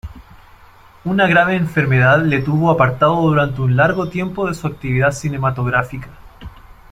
Una grave enfermedad le tuvo apartado durante un largo tiempo de su actividad cinematográfica.